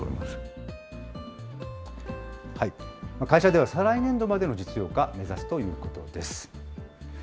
会社では再来年度までの実用化、目指すということです。